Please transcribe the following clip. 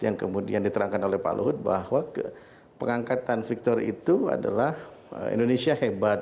yang kemudian diterangkan oleh pak luhut bahwa pengangkatan victor itu adalah indonesia hebat